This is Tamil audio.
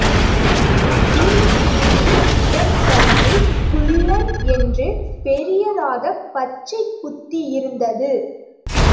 வீர்சிங்கின் இடக்கையில் குள்ளன் என்று பெரியதாகப் பச்சை குத்தியிருந்தது.